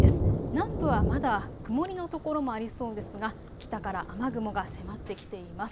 南部はまだ曇りの所もありそうですが北から雨雲が迫ってきています。